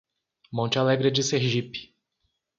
Monte Alegre de Sergipe